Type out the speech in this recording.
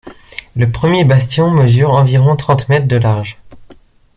Le premier bastion mesure environ trente mètres de large.